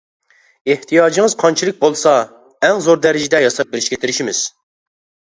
ئېھتىياجىڭىز قانچىلىك بولسا، ئەڭ زور دەرىجىدە ياساپ بېرىشكە تىرىشىمىز.